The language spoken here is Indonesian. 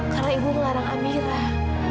karena ibu mengarang amirah